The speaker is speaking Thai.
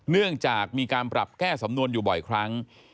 เนื่องจากมีการปรับแก้สำนวนอยู่บ่อยครั้ง